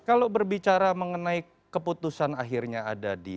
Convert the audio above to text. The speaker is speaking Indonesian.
kalau berbicara mengenai keputusan akhirnya ada di